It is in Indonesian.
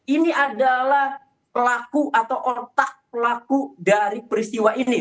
ini adalah pelaku atau otak pelaku dari peristiwa ini